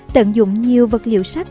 tận dụng nhiều vật liệu sắc